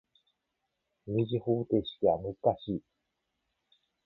二次方程式は難しい。